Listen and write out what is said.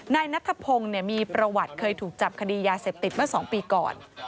นายนัทพงศ์มีประวัติเคยถูกจับคดียาเสพติดเมื่อ๒ปีก่อน